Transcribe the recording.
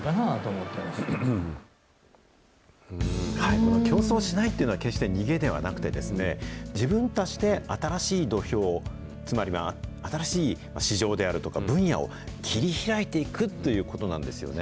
この競争しないっていうのは決して逃げではなくてですね、自分たちで新しい土俵、つまりは新しい市場であるとか分野を切り開いていくということなんですよね。